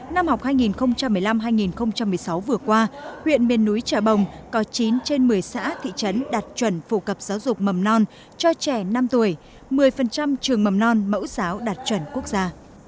năm học hai nghìn một mươi năm hai nghìn một mươi sáu vừa qua huyện miền núi trà bồng có chín trên một mươi xã thị trấn đạt chuẩn phổ cập giáo dục mầm non cho trẻ năm tuổi một mươi trường mầm non mẫu giáo đạt chuẩn quốc gia